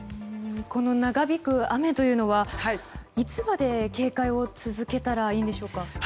この長引く雨はいつまで警戒を続けたらいいんでしょうか？